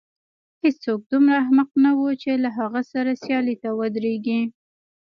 هېڅوک دومره احمق نه و چې له هغه سره سیالۍ ته ودرېږي.